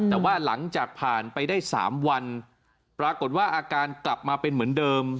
แต่ว่าหลังจากผ่านไปได้๓วันปรากฏว่าอาการกลับมาเป็นเหมือนเดิม